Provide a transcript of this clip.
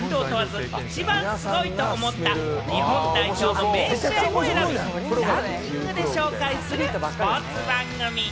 日本代表経験者がジャンルを問わず一番すごいと思った、日本代表の名試合を選び、ランキングで紹介するスポーツ番組。